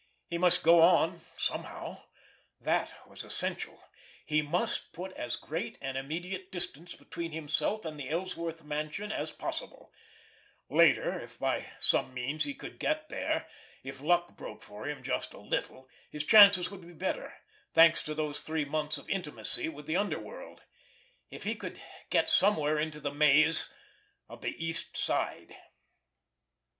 He must go on—somehow. That was essential. He must put as great an immediate distance between himself and the Ellsworth mansion as possible; later, if by some means he could get there, if luck broke for him just a little, his chances would be better, thanks to those three months of intimacy with the underworld, if he could get somewhere into the maze of the East Side.